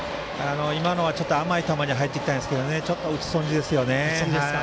今のは、ちょっと甘い球が入ってきたんですけどもちょっと打ち損じですよね。